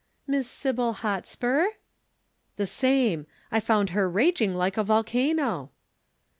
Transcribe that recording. "Miss Sybil Hotspur?" "The same. I found her raging like a volcano."